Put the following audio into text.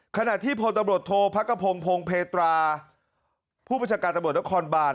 ขณะที่พลตำรวจโทพกพงษ์พงศ์เพตราผู้ประชาการตำรวจละครบาน